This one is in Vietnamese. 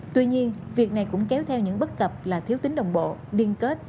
tuy nhiên việc này cũng kéo theo những bất cập là thiếu tính đồng bộ liên kết